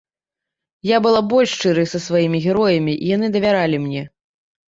Я была больш шчырай са сваімі героямі, і яны давяралі мне.